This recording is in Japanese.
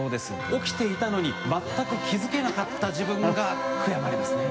起きていたのに全く気付けなかった自分が悔やまれますね。